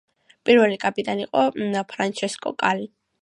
პირველი კაპიტანი იყო ფრანჩესკო კალი.